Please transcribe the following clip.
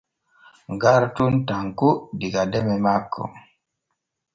Garton tanko diga deme manko.